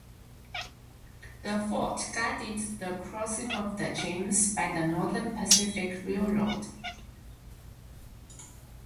The fort guarded the crossing of the James by the Northern Pacific Railroad.